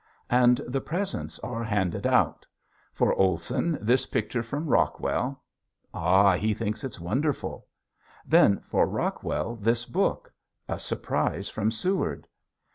And the presents are handed out. For Olson this picture from Rockwell. Ah, he thinks it's wonderful! Then for Rockwell this book a surprise from Seward.